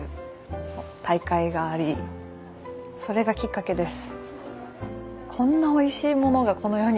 それがきっかけです。